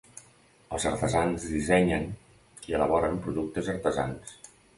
Els artesans dissenyen i elaboren productes artesans.